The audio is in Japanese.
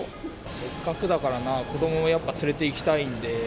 せっかくだからな、子どももやっぱ連れていきたいんで。